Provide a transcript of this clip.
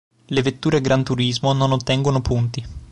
Le vetture gran turismo non ottengono punti.